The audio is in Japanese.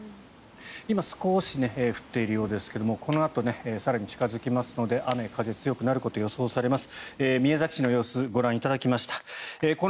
今、少し降っているようですけどもこのあと更に近付きますので雨風が強くなることが予想されます。